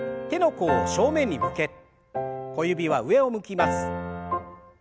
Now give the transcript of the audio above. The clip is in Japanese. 手の甲を正面に向け小指は上を向きます。